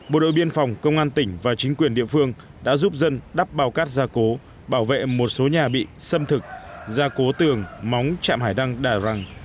bộ đội biên phòng công an tỉnh và chính quyền địa phương đã giúp dân đắp bao cát gia cố bảo vệ một số nhà bị xâm thực gia cố tường móng trạm hải đăng đà răng